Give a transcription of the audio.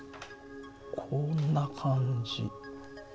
こんな感じ。